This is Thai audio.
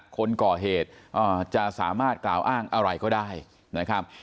คนก่อเหตุจะสามารถกล่าวอ้างอะไรก็ได้นะครับ